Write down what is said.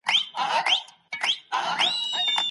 د جنایت په وخت کي د ژوند حق سلب کېږي.